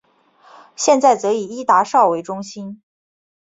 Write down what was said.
现在则以伊达邵为中心。